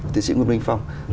thế sĩ nguyễn minh phong